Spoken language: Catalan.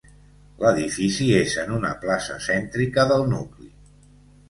L'edifici és en una plaça cèntrica del nucli.